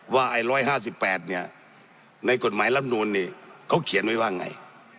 ว่าไอ้๑๕๘เนี่ยในกฎหมายรัฐธรรมนูญนี่เขาเขียนไว้ว่าไง